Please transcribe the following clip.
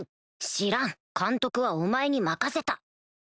知らん監督はお前に任せた